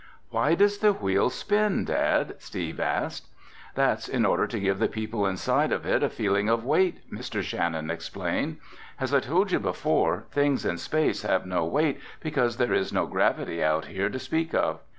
"Why does the Wheel spin, Dad?" Steve asked. "That's in order to give the people inside of it a feeling of weight," Mr. Shannon explained. "As I told you before, things in space have no weight because there is no gravity out here to speak of.